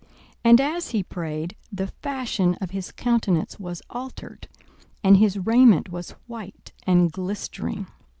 42:009:029 And as he prayed, the fashion of his countenance was altered, and his raiment was white and glistering.